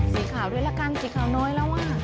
สีขาวด้วยละกันสีขาวน้อยแล้วอ่ะ